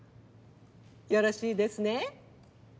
よろしいですね？